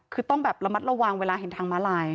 คือต้องแบบระมัดระวังเวลาเห็นทางมาลาย